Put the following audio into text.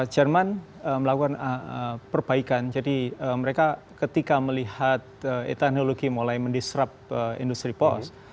jerman melakukan perbaikan jadi mereka ketika melihat teknologi mulai mendisrup industri post